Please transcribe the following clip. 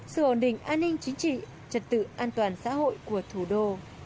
sự ổn định an ninh chính trị trật tự an toàn xã hội của thủ đô